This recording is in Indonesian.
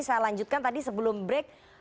saya lanjutkan tadi sebelum break